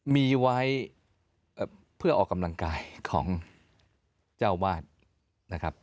มีไว้เพื่อออกกำลังกายของเจ้าวาดนะครับ